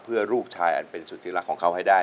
เพื่อลูกชายอันเป็นสุธิรักของเขาให้ได้